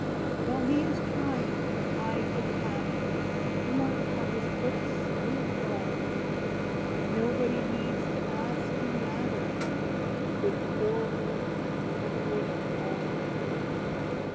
While he is trying to hide the tatter, Mark how his looks will fall! Nobody needs to ask the matter With poor, old, hungry Paul.